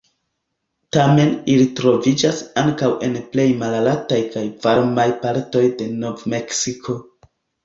Tamen ili troviĝas ankaŭ en plej malaltaj kaj varmaj partoj de Nov-Meksiko.